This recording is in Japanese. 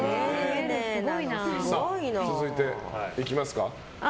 続いていきますか。